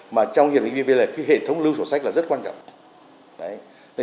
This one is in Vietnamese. mà trong hiệp hội vvvl cái hệ thống lưu sổ sách là rất quan trọng